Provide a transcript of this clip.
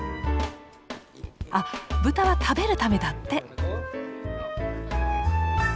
あブタは食べるためだって。